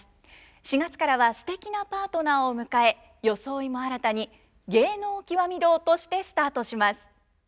４月からはすてきなパートナーを迎え装いも新たに「芸能きわみ堂」としてスタートします。